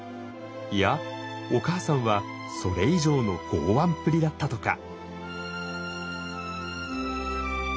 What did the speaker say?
いやお母さんはそれ以上の豪腕っぷりだったとか。